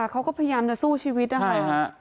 เขาก็พยายามจะสู้ชีวิตนะคะ